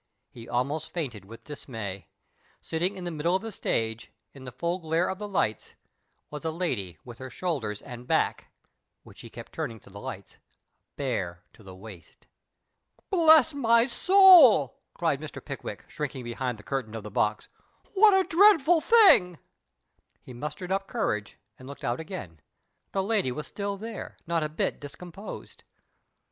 He almost fainted with dismay. Standing in the middle of the stage, in the full glare of the lights, was a lady with her shoulders and back (which she kept turning to the lights) bare to the waist !" Bless my soul," cried Mr. Pickwick, shrinking behind the curtain of the box, " wiiat a dreadful thing 1 " He mustered up courage, and looked out again. The lady was still there, not a bit discomposed.